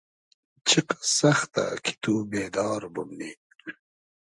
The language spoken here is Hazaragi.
چیقئس سئختۂ کی تو بېدار بومنی